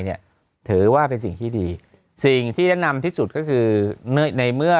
เนี่ยถือว่าเป็นสิ่งที่ดีสิ่งที่แนะนำที่สุดก็คือในเมื่อ